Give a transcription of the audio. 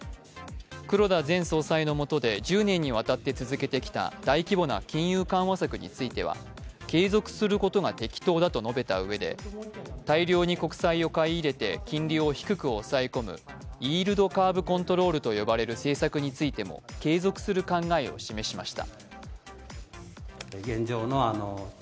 黒田前総裁のもとで１０年にわたって続けてきた大規模な金融緩和策については継続することが適当だと述べたうえで大量に国債を買い入れて金利を低く抑え込むイールドカーブコントロールと呼ばれる政策についても継続する考えを示しました。